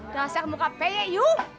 dasar muka peyek you